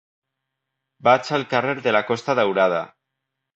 Vaig al carrer de la Costa Daurada.